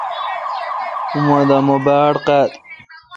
اوہ دا مہ باڑ قاد۔